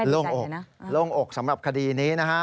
โล่งอกสำหรับคดีนี้นะฮะ